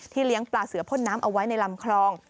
เลี้ยงปลาเสือพ่นน้ำเอาไว้ในลำคลอง